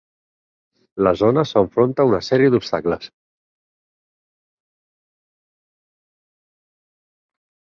La zona s'enfronta a una sèrie d'obstacles.